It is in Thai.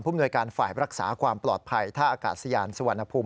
มนวยการฝ่ายรักษาความปลอดภัยท่าอากาศยานสุวรรณภูมิ